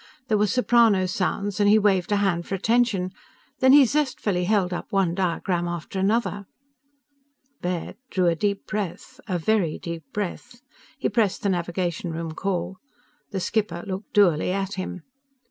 There were soprano sounds, and he waved a hand for attention. Then he zestfully held up one diagram after another. Baird drew a deep breath. A very deep breath. He pressed the navigation room call. The skipper looked dourly at him.